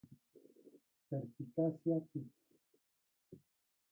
Perspicacia Tick.